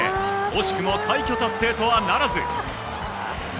惜しくも快挙達成とはならず。